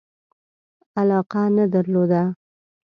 علاقه نه درلوده.